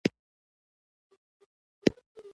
ګلان د اوبو سره تازه کیږي.